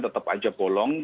tetap aja bolong